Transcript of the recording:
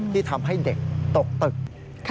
ที่ทำให้เด็กตกตึก